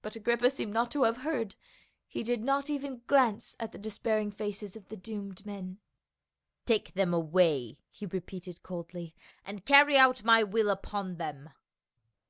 But Agrippa seemed not to have heard ; he did not even glance at the despairing faces of the doomed men. "Take them away," he repeated coldly, "and carry out my will upon them."